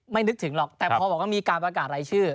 นึกถึงหรอกแต่พอบอกว่ามีการประกาศรายชื่อ